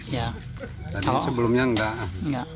tadi sebelumnya enggak